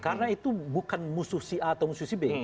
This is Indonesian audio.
karena itu bukan musuh si a atau musuh si b